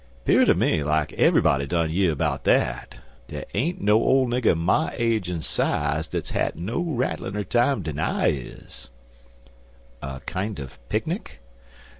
"Pear ter me like eve'ybody done year 'bout dat. Dey ain't no ole nigger my age an' size dat's had no rattliner time dan I is." "A kind of picnic?"